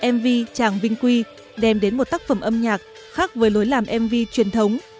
mv chàng vinh quy đem đến một tác phẩm âm nhạc khác với lối làm mv truyền thống